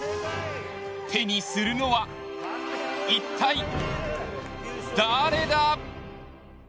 手にするのは、一体誰だ？